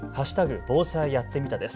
防災やってみたです。